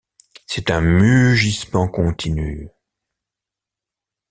C’est un mugissement continu.